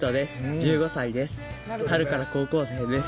１１歳です。